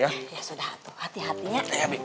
ya sudah hati hatinya